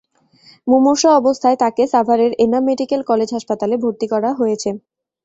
মুমূর্ষু অবস্থায় তাঁকে সাভারের এনাম মেডিকেল কলেজ হাসপাতালে ভর্তি করা হয়েছে।